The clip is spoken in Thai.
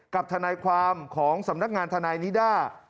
ทนายความของสำนักงานทนายนิด้า